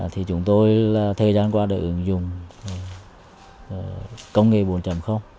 thì chúng tôi là thời gian qua đã ứng dụng công nghệ bốn